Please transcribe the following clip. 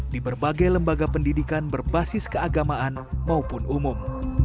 di berbagai lembaga pendidikan berbasis keagamaan maupun umum